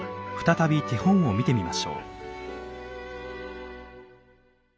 再び手本を見てみましょう。